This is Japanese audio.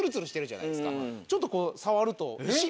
ちょっとこう触ると。